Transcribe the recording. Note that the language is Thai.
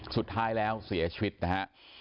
สุดท้ายแล้วเสียชีวิตนะฮะ